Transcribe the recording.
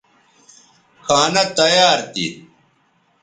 کھانہ تیار تھی